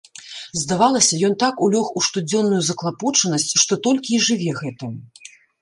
Здавалася, ён так улёг у штодзённую заклапочанасць, што толькі і жыве гэтым.